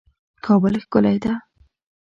کابل ښکلی ده